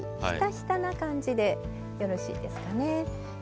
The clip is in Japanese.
ひたひたな感じでよろしいですかね。